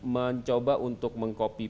mencoba untuk meng copy